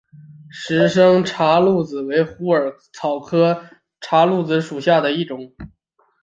石生茶藨子为虎耳草科茶藨子属下的一个种。